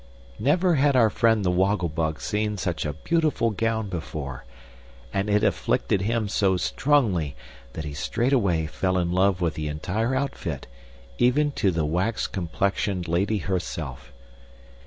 Never had our friend the Woggle Bug seen such a beautiful gown before, and it afflicted him so strongly that he straightaway fell in love with the entire outfit even to the wax complexioned lady herself!